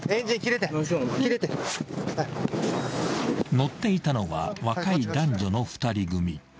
［乗っていたのは若い男女の２人組］